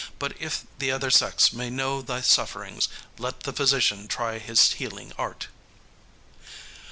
But if the other sex may know thy sufferings Let the physician try his healing art."